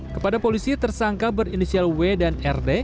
kepada polisi tersangka berinisial w dan rd